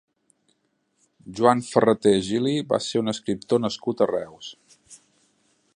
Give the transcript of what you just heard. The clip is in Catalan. Joan Ferraté Gili va ser un escriptor nascut a Reus.